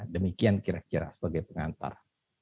demikian kira kira sebagai pengantar